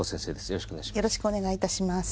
よろしくお願いします。